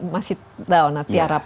masih down hati harap